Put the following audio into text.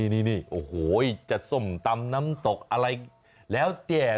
นี่โอโฮจัดส้มตำน้ำตกอะไรแหละแจ่เลย